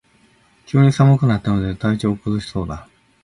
急に寒くなったので体調を崩しそうだ